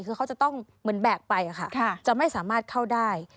คือเขาจะต้องเหมือนแบกไปค่ะจะไม่สามารถเข้าได้